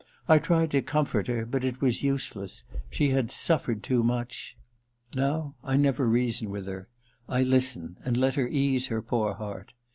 " I tried to comfort her, but it was useless : she had suffered too much. Now I never reason with her ; I listen, and let her ease her poor heart.